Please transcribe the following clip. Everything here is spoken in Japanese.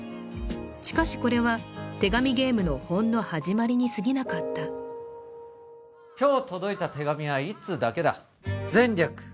しかしこれは手紙ゲームのほんの始まりにすぎなかった今日届いた手紙は１通だけだ前略